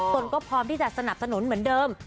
ตนก็พร้อมที่จะสนับสนุนเหมือนเดิม